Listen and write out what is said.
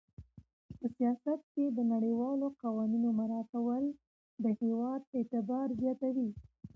په سیاست کې د نړیوالو قوانینو مراعاتول د هېواد اعتبار زیاتوي.